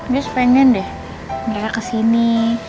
dia pengen deh mereka kesini